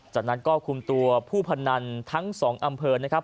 จากนั้นก็คุมตัวผู้พนันทั้ง๒อำเภอนะครับ